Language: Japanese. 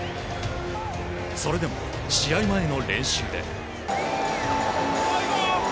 それでも試合前の練習で。